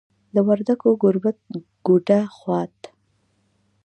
د وردګو ګوربت، ګوډه، خوات